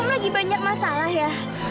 lagi banyak masalah ya